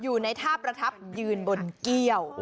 อยู่ในท่าประทับยืนบนเกี้ยว